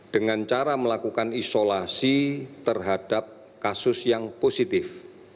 dengan cara melakukan isolasi terhadap kasus yang positif